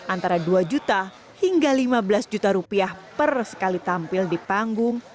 antara dua juta hingga lima belas juta rupiah per sekali tampil di panggung